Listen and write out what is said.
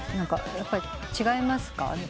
やっぱり違いますか？